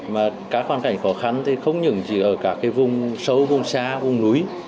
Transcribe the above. mà các hoàn cảnh khó khăn thì không chỉ ở cả cái vùng sâu vùng xa vùng núi